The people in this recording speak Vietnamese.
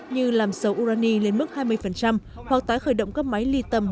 như làm sầu urani lên mức hai mươi hoặc tái khởi động các máy